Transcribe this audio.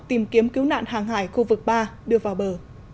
tìm kiếm cứu nạn hàng hải khu vực ba đưa vào bờ